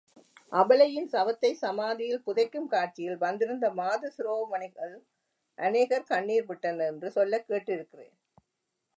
அபலையின் சவத்தைச் சமாதியில் புதைக்கும் காட்சியில், வந்திருந்த மாது சிரோமணிகள் அநேகர் கண்ணீர் விட்டனர் என்று சொல்லக் கேட்டிருக்கிறேன்.